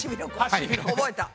覚えた。